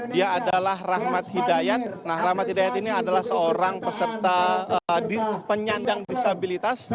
dia adalah rahmat hidayat nah rahmat hidayat ini adalah seorang peserta penyandang disabilitas